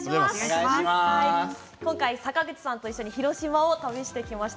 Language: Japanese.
今回、坂口さんと広島を旅してきました。